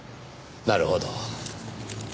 なるほど。